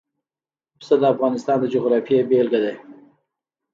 پسه د افغانستان د جغرافیې بېلګه ده.